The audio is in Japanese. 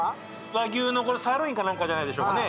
和牛のサーロインか何かじゃないでしょうかね。